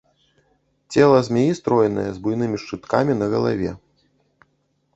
Цела змеі стройнае, з буйнымі шчыткамі на галаве.